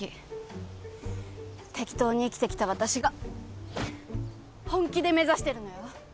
適当に生きてきた私が本気で目指してるのよ。